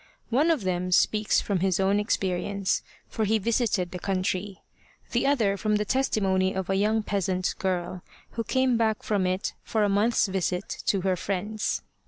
One of them speaks from his own experience, for he visited the country; the other from the testimony of a young peasant girl who came back from it for a month's visit to her friends.